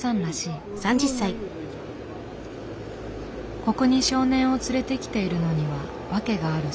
ここに少年を連れてきているのには訳があるそう。